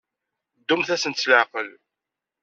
Ddumt-asent s leɛqel.